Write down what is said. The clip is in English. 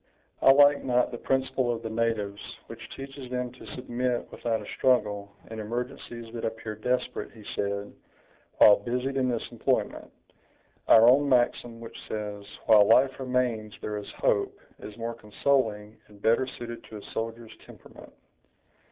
"I like not the principle of the natives, which teaches them to submit without a struggle, in emergencies that appear desperate," he said, while busied in this employment; "our own maxim, which says, 'while life remains there is hope', is more consoling, and better suited to a soldier's temperament.